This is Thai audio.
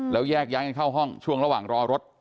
แล้วแยกย้ายกันเข้าห้องช่วงระหว่างรอรถ